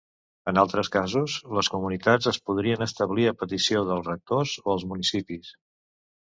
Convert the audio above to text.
En altres casos, les comunitats es podrien establir a petició dels rectors o els municipis.